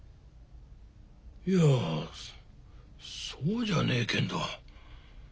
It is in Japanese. いやそうじゃねえけんど